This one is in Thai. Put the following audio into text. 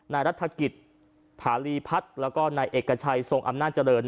รัฐกิจภาลีพัฒน์แล้วก็นายเอกชัยทรงอำนาจเจริญ